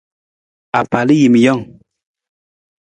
Apalajiimijang.